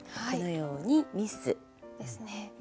このように「ミス」。ですね。